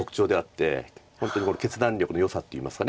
本当に決断力のよさっていいますか。